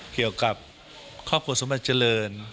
เกี่ยวกับครอบครัวสมบัติเจริญ